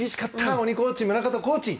鬼コーチ、宗方コーチ。